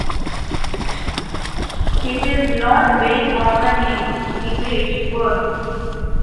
It is not very common in English verse.